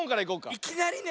いきなりね！